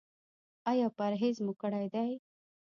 ایا پرهیز مو کړی دی؟